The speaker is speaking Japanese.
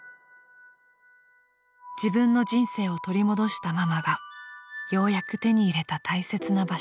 ［自分の人生を取り戻したママがようやく手に入れた大切な場所］